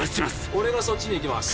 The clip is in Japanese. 俺がそっちに行きます